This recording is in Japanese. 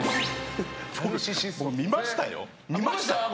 僕、見ましたよ。